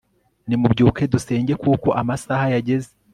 nimubyuke dusenge kuko amasaha yageze